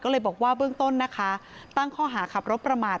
ก็เลยบอกว่าเบื้องต้นนะคะตั้งข้อหาขับรถประมาท